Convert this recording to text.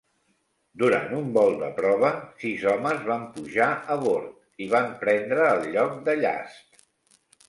Durant un vol de prova, sis homes van pujar a bord i van prendre el lloc de llast.